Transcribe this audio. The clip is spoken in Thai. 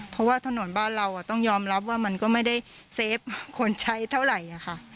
เพราะว่าถนนบ้านเราต้องยอมรับว่ามันก็ไม่ได้เซฟคนใช้เท่าไหร่ค่ะ